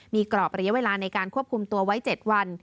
มีกรอบระยะเวลาในการควบคุมตัวไว้๗วัน